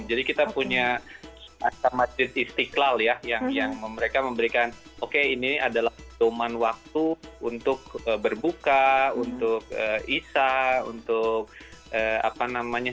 jadi kita punya masjid istiqlal ya yang mereka memberikan oke ini adalah teman waktu untuk berbuka untuk isya untuk apa namanya